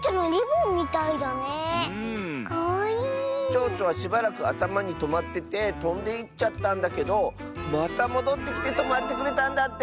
ちょうちょはしばらくあたまにとまっててとんでいっちゃったんだけどまたもどってきてとまってくれたんだって！